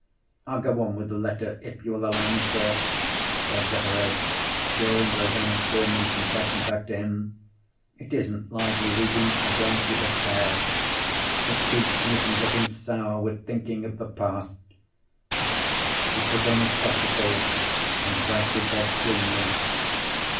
I'll go on with the letter, if you will allow me, sir," said Betteredge, drawing Rosanna Spearman's confession back to him. "It isn't lively reading, I grant you. But, there! it keeps me from getting sour with thinking of the past." He put on his spectacles, and wagged his head gloomily.